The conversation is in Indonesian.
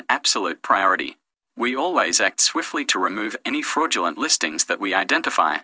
kami selalu beraktif untuk menghilangkan listing palsu yang tindak cepat yang kita identifikasi